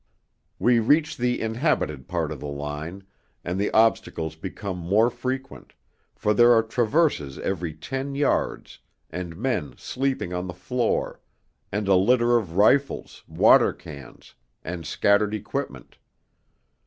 We reach the inhabited part of the line, and the obstacles become more frequent, for there are traverses every ten yards and men sleeping on the floor, and a litter of rifles, water cans, and scattered equipment.